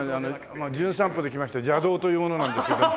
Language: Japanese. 『じゅん散歩』で来ました邪道という者なんですけども。